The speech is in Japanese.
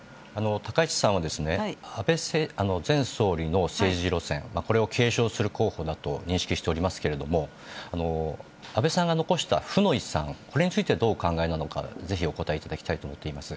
高市さんは安倍前総理の政治路線、これを継承する候補だと認識しておりますけれども、安倍さんが残した負の遺産、これについてどうお考えなのか、ぜひお答えいただきたいと思っています。